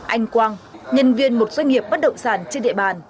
anh quang nhân viên một doanh nghiệp bất động sản trên địa bàn